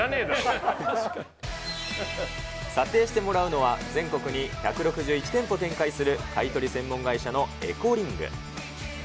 査定してもらうのは、全国に１６１店舗展開する買い取り専門会社のエコリング。